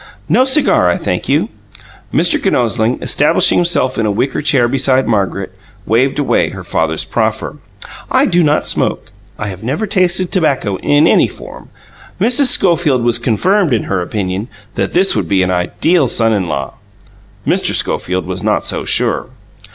"No cigar, I thank you." Mr. Kinosling, establishing himself in a wicker chair beside Margaret, waved away her father's proffer. "I do not smoke. I have never tasted tobacco in any form." Mrs. Schofield was confirmed in her opinion that this would be an ideal son in law. Mr. Schofield was not so sure.